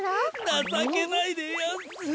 なさけないでやんす。